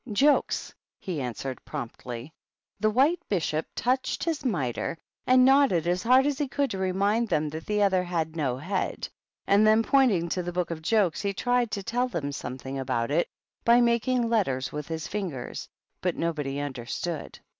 " Jokes," he answered, promptly. The White Bishop touched his mitre and THE BISHOPS. 173 nodded as hard as he could to remind them that the other had no head ; and then pointing to the book of jokes, he tried to tell them something about it by making letters with his fingers. But nobody understood.